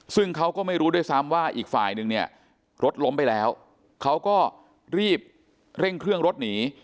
ซึ่งเขาก็ไม่รู้ด้วยซ้ำว่าอีกฝ่ายนึงเนี่ยรถล้มไปแล้วเขาก็รีบเร่งเครื่องรถหนี